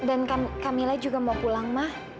dan kak mila juga mau pulang ma